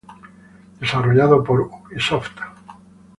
Desarrollado por Ubisoft.